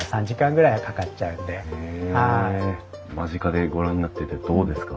間近でご覧になっててどうですか？